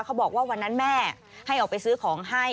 บอกว่าวันนั้นแม่ให้ออกไปซื้อของให้